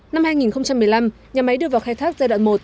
năm hai nghìn một mươi năm nhà máy đưa vào khai thác giai đoạn một